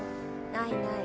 ないない。